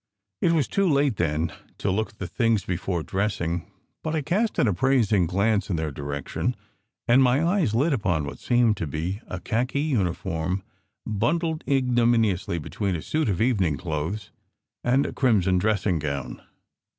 It was too late then to look at the things before dressing, but I cast an appraising glance in their direction, and my eyes lit upon what seemed to be a khaki uniform, bundled ignominiously beween a suit of evening clothes and a crimson dressing gown.